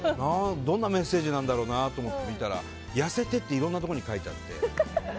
どんなメッセージなんだろうなって見たら痩せてっていろんなところに書いてあって。